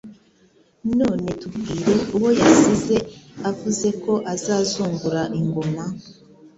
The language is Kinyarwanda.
none tubwire uwo yasize avuze ko azazungura ingoma.